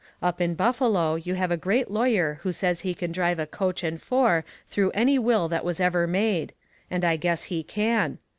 Up in Buffalo you have a great lawyer who says he can drive a coach and four through any will that was ever made and I guess he can.